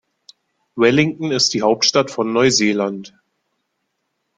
Wellington ist die Hauptstadt von Neuseeland.